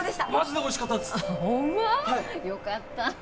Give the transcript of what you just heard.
よかった。